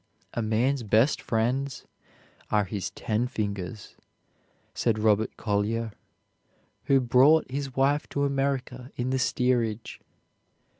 "A man's best friends are his ten fingers," said Robert Collyer, who brought his wife to America in the steerage.